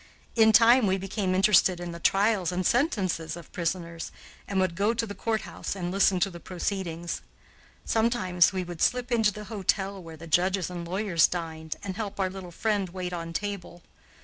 In time we became interested in the trials and sentences of prisoners, and would go to the courthouse and listen to the proceedings. Sometimes we would slip into the hotel where the judges and lawyers dined, and help our little friend wait on table.